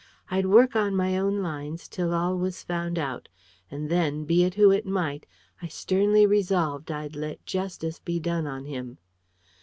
I'd work on my own lines till all was found out: and then, be it who it might, I sternly resolved I'd let justice be done on him.